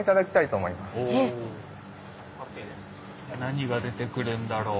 何が出てくるんだろう？